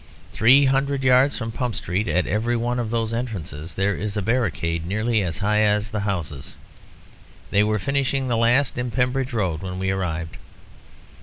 Three hundred yards from Pump Street, at every one of those entrances, there is a barricade nearly as high as the houses. They were finishing the last, in Pembridge Road, when we arrived.